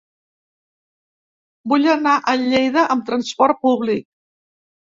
Vull anar a Lleida amb trasport públic.